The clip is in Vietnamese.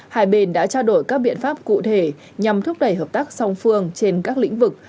hai bên đã trao đổi các biện pháp cụ thể nhằm thúc đẩy hợp tác song phương trên các lĩnh vực